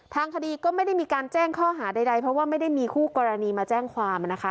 ทางคดีก็ไม่ได้มีการแจ้งข้อหาใดเพราะว่าไม่ได้มีคู่กรณีมาแจ้งความนะคะ